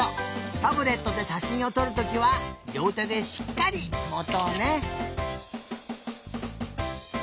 タブレットでしゃしんをとるときはりょうてでしっかりもとうね。